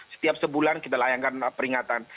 setiap sebulan kita layankan peringatan